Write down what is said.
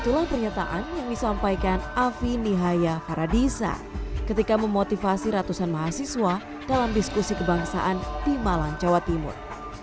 itulah pernyataan yang disampaikan afi nihaya faradisa ketika memotivasi ratusan mahasiswa dalam diskusi kebangsaan di malang jawa timur